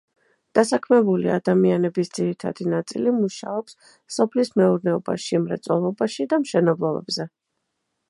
დასაქმებული ადამიანების ძირითადი ნაწილი მუშაობს სოფლის მეურნეობაში, მრეწველობაში და მშენებლობებზე.